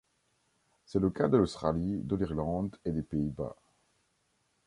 C'est le cas de l'Australie, de l'Irlande et des Pays-Bas.